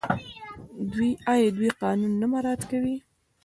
آیا دوی قانون نه مراعات کوي؟